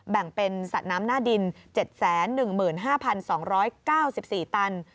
แบ่งเป็นสระน้ำหน้าดิน๗๑๕๒๙๔ตัน